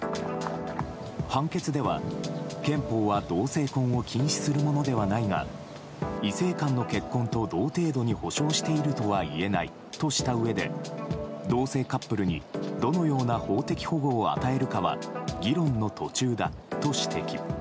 判決では憲法は同性婚を禁止するものではないが異性間の結婚と同程度に保障しているとは言えないとしたうえで同性カップルにどのような法的保護を与えるかは議論の途中だと指摘。